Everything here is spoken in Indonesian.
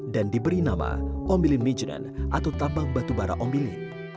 dan diberi nama ombilin mijenen atau tambang batu bara ombilin